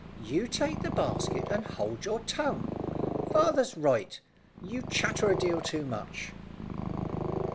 "You take the basket, and hold your tongue. Father's right, you chatter a deal too much."